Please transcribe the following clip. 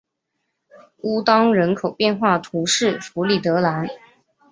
乌当人口变化图示弗里德兰